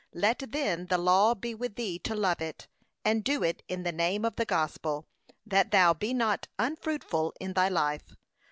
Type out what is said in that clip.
Let then the law be with thee to love it, and do it in the spirit of the gospel, that thou be not unfruitful in thy life.